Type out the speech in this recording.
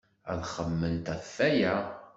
Ad xemmement ɣef waya.